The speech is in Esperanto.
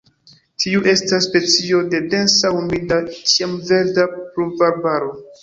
Tiu estas specio de densa humida ĉiamverda pluvarbaro.